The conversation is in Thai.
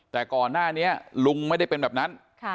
แต่ก่อนหน้านี้ลุงไม่ได้เป็นแบบนั้น